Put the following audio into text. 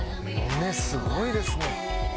胸すごいですね。